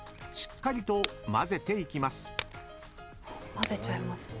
混ぜちゃいます。